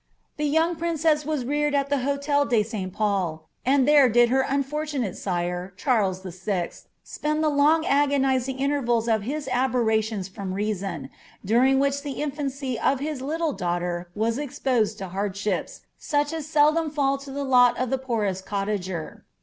The young princess was reared at the H6tel de St Paul, and tliere did her unfortunate sire, Charles VI., spend the long agonising intervals of his aberrations from reason, during which the infancy of bis little daughter was exposed to hardships, such as seldom fall to the lot of the poorest cottager.